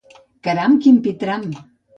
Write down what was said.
Caram, quin pitram